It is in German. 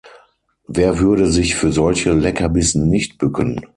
Wer würde sich für solche Leckerbissen nicht bücken?